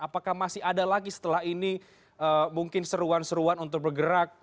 apakah masih ada lagi setelah ini mungkin seruan seruan untuk bergerak